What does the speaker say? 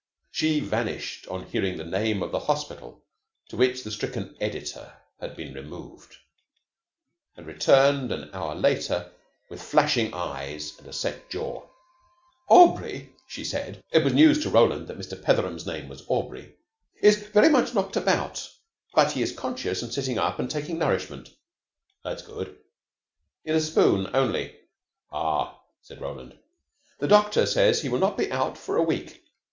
She vanished on hearing the name of the hospital to which the stricken editor had been removed, and returned an hour later with flashing eyes and a set jaw. "Aubrey," she said it was news to Roland that Mr. Petheram's name was Aubrey "is very much knocked about, but he is conscious and sitting up and taking nourishment." "That's good." "In a spoon only." "Ah!" said Roland. "The doctor says he will not be out for a week.